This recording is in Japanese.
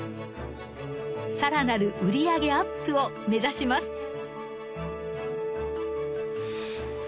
さらなる売り上げアップを目指します。